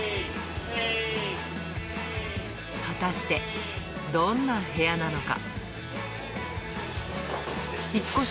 果たして、どんな部屋なのか。